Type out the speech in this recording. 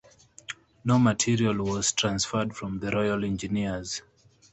No material was transferred from the Royal Engineers.